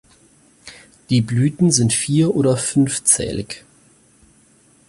Die Blüten sind vier- oder fünfzählig.